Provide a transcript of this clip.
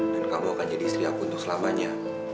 dan kamu akan jadi istri aku untuk selamanya